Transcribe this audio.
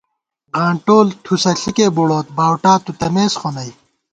غانٹول ٹُھسہ ݪِکے بُڑوت باؤٹا تُو تمېس خونئ